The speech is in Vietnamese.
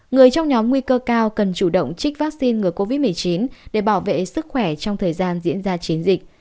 người trong nhóm nguy cơ cao cần chủ động trích vaccine ngừa covid một mươi chín để bảo vệ sức khỏe trong thời gian diễn ra chiến dịch